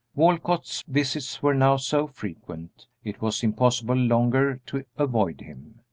Walcott's visits were now so frequent it was impossible longer to avoid him.